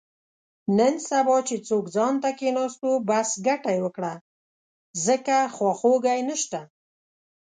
نن سبا چې څوک ځانته کېناستو، بس ګټه یې وکړه، ځکه خواخوږی نشته.